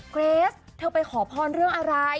เกรสเธอไปขอพรเรื่องอะไร